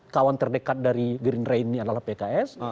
kawan terdekat dari gerindra ini adalah pks